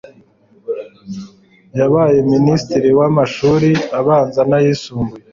yabaye minisitiri w'amashuri abanza n'ayisumbuye